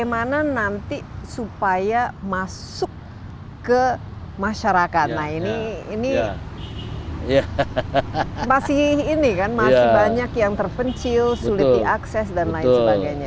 masyarakat nah ini ini masih ini kan masih banyak yang terpencil sulit diakses dan lain sebagainya